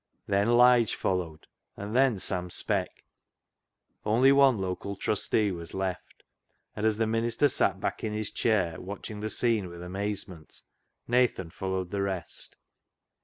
Then Lige followed, and then Sam Speck. Only one local Trustee was left ; and as the minister sat back in his chair, watching the scene with amazement, Nathan followed the rest.